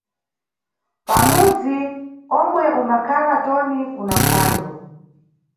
Pamudzi omwe umbakhala Toni kuna phwando.